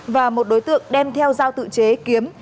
và một đối tượng đem theo giao tự chế kiếm